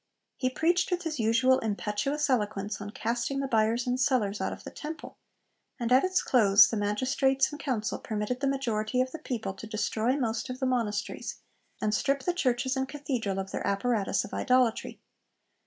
He preached with his usual impetuous eloquence on 'casting the buyers and sellers out of the temple,' and at its close the magistrates and council permitted the majority of the people to destroy most of the monasteries, and strip the churches and cathedral of their apparatus of 'idolatry.'